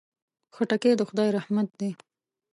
خټکی د خدای رحمت دی.